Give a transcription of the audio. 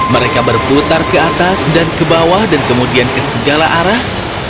mereka berputar ke atas dan ke bawah dan kemudian ke segala arah